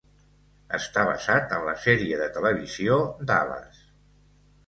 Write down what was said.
Està basat en la sèrie de televisió "Dallas".